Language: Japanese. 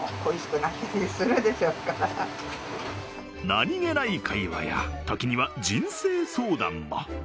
何気ない会話や、時には人生相談も。